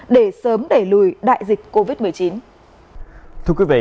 để sớm đẩy lùi đại dịch covid một mươi chín